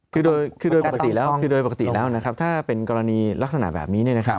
คือโดยปกติแล้วนะครับถ้าเป็นกรณีลักษณะแบบนี้นะครับ